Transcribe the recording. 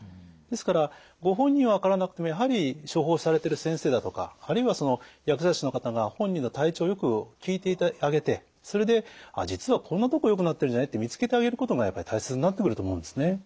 ですからご本人は分からなくてもやはり処方されてる先生だとかあるいは薬剤師の方が本人の体調をよく聞いてあげてそれで「実はこんなとこよくなってるんじゃない？」って見つけてあげることがやっぱり大切になってくると思うんですね。